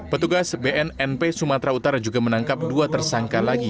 petugas bnnp sumatera utara juga menangkap dua tersangka lagi